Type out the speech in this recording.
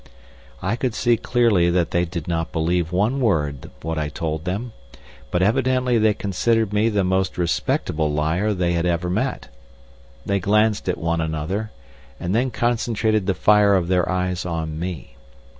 I could see clearly that they did not believe one word of what I told them, but evidently they considered me the most respectable liar they had ever met. They glanced at one another, and then concentrated the fire of their eyes on me.